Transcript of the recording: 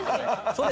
そう。